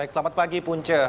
selamat pagi punce